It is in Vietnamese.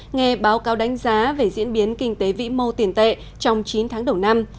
nghe báo cáo đánh giá về diễn biến kinh tế vĩ mô tiền tệ trong chín tháng đầu năm